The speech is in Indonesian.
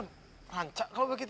kamu mau pergi ke rumah itu